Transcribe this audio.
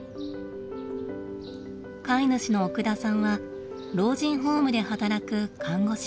飼い主の奥田さんは老人ホームで働く看護師。